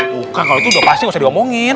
bukan kalau itu udah pasti nggak usah diomongin